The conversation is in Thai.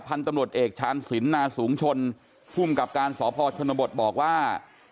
พันธุ์ตำรวจเอกชาญศิลปนาสูงชนภูมิกับการสพชนบทบอกว่า